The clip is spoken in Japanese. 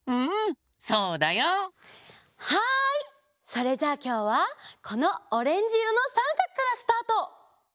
それじゃあきょうはこのオレンジいろのさんかくからスタート。